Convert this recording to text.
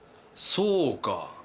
そうか。